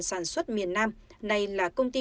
sản xuất miền nam này là công ty